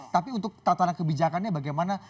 tapi untuk tatanan kebijakannya bagaimana